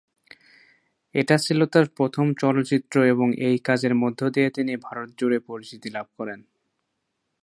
এটি ছিল তার প্রথম চলচ্চিত্র এবং এই কাজের মধ্য দিয়ে তিনি ভারত জুড়ে পরিচিতি লাভ করেন।